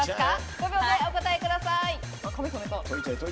５秒でお答えください。